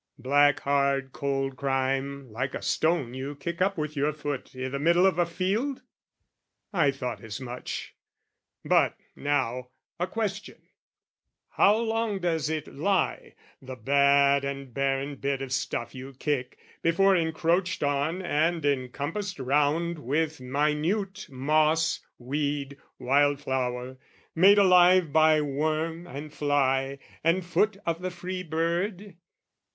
Black hard cold Crime like a stone you kick up with your foot I' the middle of a field? I thought as much. But now, a question, how long does it lie, The bad and barren bit of stuff you kick, Before encroached on and encompassed round With minute moss, weed, wild flower made alive By worm, and fly, and foot of the free bird?